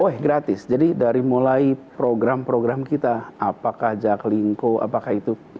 iya kami gratis jadi dari mulai program program kita apakah jaklingco apakah itu